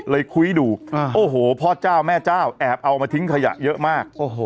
คุยดูโอ้โหพ่อเจ้าแม่เจ้าแอบเอามาทิ้งขยะเยอะมาก